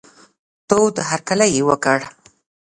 تود هرکلی یې وکړ.